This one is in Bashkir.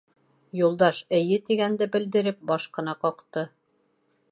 Юлдаш «эйе» тигәнде белдереп, баш ҡына ҡаҡты.